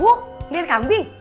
woh liat kambing